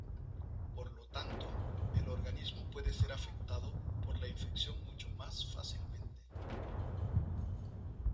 Por lo tanto, el organismo puede ser afectado por la infección mucho más fácilmente.